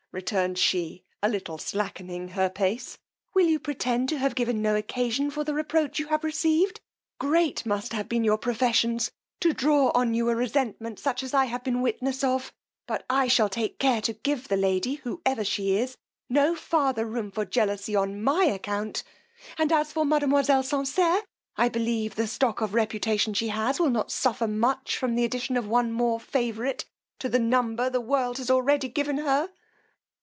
returned she, a little slackening her pace, will you pretend to have given no occasion for the reproach you have received: great must have been your professions to draw on you a resentment such as I have been witness of; but I shall take care to give the lady, whoever she is, no farther room for jealousy on my account; and as for mademoiselle Sanserre, I believe the stock of reputation she has will not suffer much from the addition of one more favourite to the number the world has already given her.